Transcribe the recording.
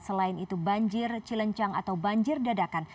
selain itu banjir cilencang atau banjir dadakan